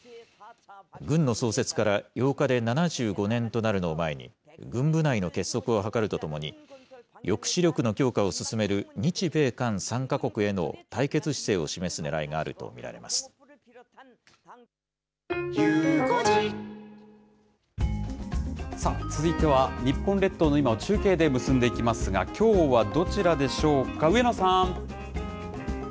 軍の創設から８日で７５年となるのを前に、軍部内の結束を図るとともに、抑止力の強化を進める日米韓３か国への対決姿勢を示すねらいがあさあ、続いては日本列島の今を中継で結んでいきますが、きょうはどちらでしょうか、上野さん。